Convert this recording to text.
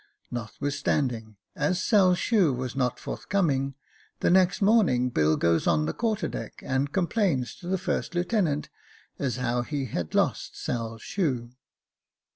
Notwithstanding, as Sail's shoe was not forthcoming, the next morning Bill goes on the quarter deck, and complains to the first lieutenant, as how he had lost Sail's shoe.